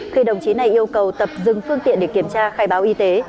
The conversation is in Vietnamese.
khi đồng chí này yêu cầu tập dừng phương tiện để kiểm tra khai báo y tế